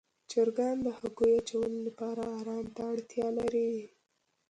چرګان د هګیو اچولو لپاره آرام ته اړتیا لري.